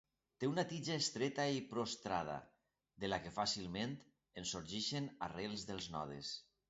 Té una tija estreta i prostrada, de la que fàcilment en sorgeixen arrels dels nodes.